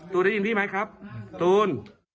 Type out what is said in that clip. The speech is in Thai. ได้ยินพี่ไหมครับตูน